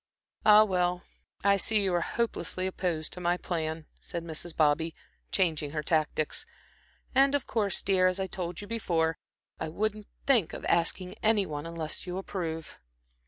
"Ah, well, I see you are hopelessly opposed to my plan," said Mrs. Bobby, changing her tactics, "and of course, dear, as I told you before, I wouldn't think of asking any one unless you approve."